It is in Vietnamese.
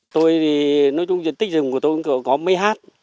tôi thì nói chung diện tích rừng của tôi có mây hát